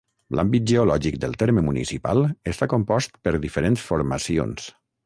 L'àmbit geològic del terme municipal està compost per diferents formacions.